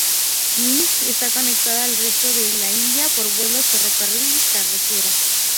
Mysore está conectada al resto de la India por vuelos, ferrocarril y carretera.